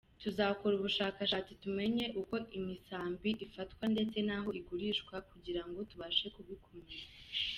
Tuzakora ubushakashatsi tumenye uko imisambi ifatwa ndetse n’aho igurishwa kugira ngo tubashe kubikumira.